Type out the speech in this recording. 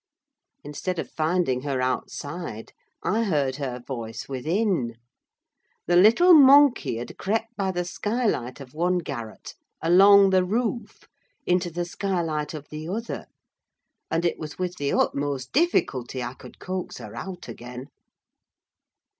Instead of finding her outside, I heard her voice within. The little monkey had crept by the skylight of one garret, along the roof, into the skylight of the other, and it was with the utmost difficulty I could coax her out again.